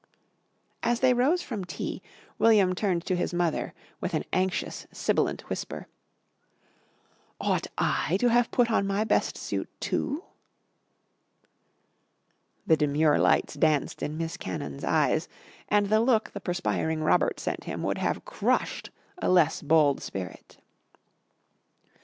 As they rose from tea, William turned to his mother, with an anxious sibilant whisper, "Ought I to have put on my best suit too?" The demure lights danced in Miss Cannon's eyes and the look the perspiring Robert sent him would have crushed a less bold spirit.